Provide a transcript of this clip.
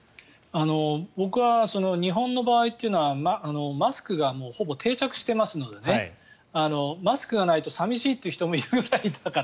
僕は日本の場合はマスクがほぼ定着していますのでマスクがないと寂しいという人もいるぐらいだから。